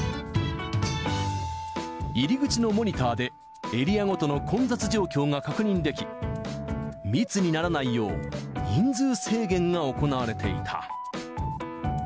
入り口のモニターで、エリアごとの混雑状況が確認でき、密にならないよう、人数制限が行われていた。